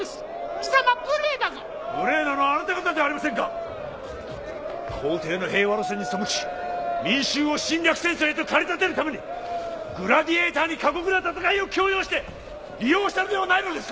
貴様無礼だぞ無礼なのはあなた方ではありませんか皇帝の平和路線に背き民衆を侵略戦争へと駆り立てるためにグラディエイターに過酷な戦いを強要して利用したのではないのですか